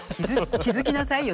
気付きなさいよ